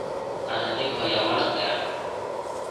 但係呢個係有可能㗎